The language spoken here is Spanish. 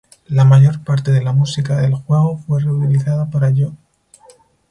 La mayor parte de la música del juego fue reutilizada para "Yo!